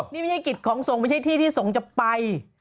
นี่ไม่ใช่กิจของทรงไม่ใช่ที่ที่ทรงจะไป